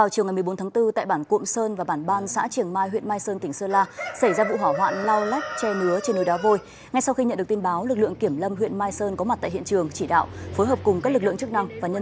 đến gần một mươi chín h tối qua đàm cháy trên núi đá vôi tại bản cụm sơn và bản ban xã triển mai huyện mai sơn tỉnh sơn la cơ bản được khống chế